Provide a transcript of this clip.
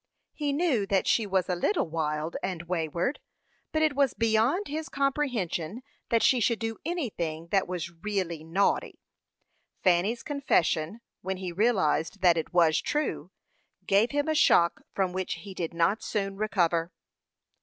He knew that she was a little wild and wayward, but it was beyond his comprehension that she should do anything that was really "naughty." Fanny's confession, when he realized that it was true, gave him a shock from which he did not soon recover.